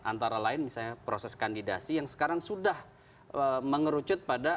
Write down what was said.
antara lain misalnya proses kandidasi yang sekarang sudah mengerucut pada